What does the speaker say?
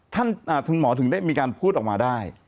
คุณหมอถึงได้มีการพูดออกมาได้